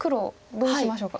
どうしましょうか。